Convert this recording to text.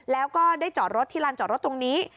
แล้วก็ได้จอดรถที่ลานจอดรถตรงนี้